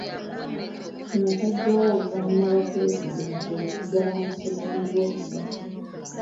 Kino kyajjawo oluvannyuma lwa Pulezidenti okuggala amasomero mu Gwokusatu.